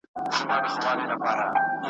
یا له ستایلو د ښکلیو سوړ یم !.